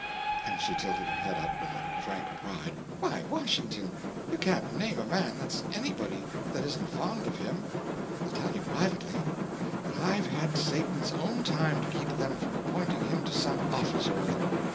and she tilted her head up with a frank pride—"why, Washington, you can't name a man that's anybody that isn't fond of him. I'll tell you privately, that I've had Satan's own time to keep them from appointing him to some office or other.